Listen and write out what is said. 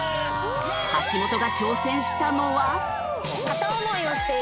橋本が挑戦したのは。